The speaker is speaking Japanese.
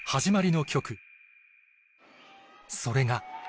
それが